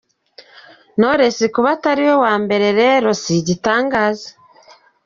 Knowless kuba atariwe wa mbere rero si igitangaza!”.